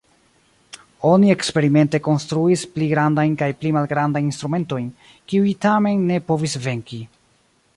Oni eksperimente konstruis pli grandajn kaj pli malgrandajn instrumentojn, kiuj tamen ne povis venki.